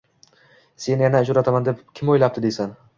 seni yana uchrataman deb kim oʻylabdi deysan.